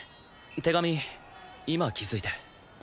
手紙今気づいて。